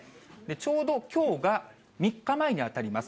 ちょうどきょうが３日前にあたります。